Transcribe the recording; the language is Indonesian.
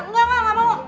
enggak enggak enggak mau